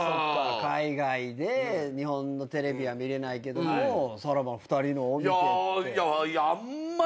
海外で日本のテレビは見れないけどもさらばの２人のを見てって。